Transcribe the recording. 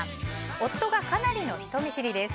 夫がかなりの人見知りです。